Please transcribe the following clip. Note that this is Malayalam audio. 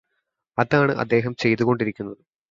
അതാണ് അദ്ദേഹം ചെയ്തുകൊണ്ടിരിക്കുന്നതും